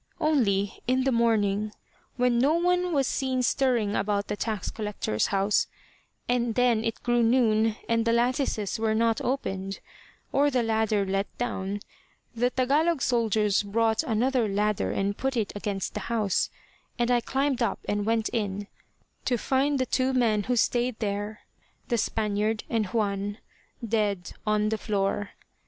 Only, in the morning, when no one was seen stirring about the tax collector's house, and then it grew noon and the lattices were not opened or the ladder let down, the Tagalog soldiers brought another ladder and put it against the house, and I climbed up and went in, to find the two men who stayed there, the Spaniard and Juan, dead on the floor.